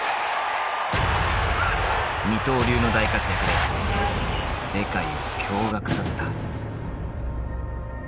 二刀流の大活躍で世界を驚がくさせた。